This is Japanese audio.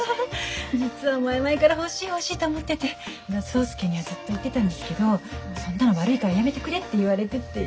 実は前々から欲しい欲しいと思ってて草輔にはずっと言ってたんですけどそんなの悪いからやめてくれって言われてて。